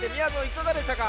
いかがでしたか？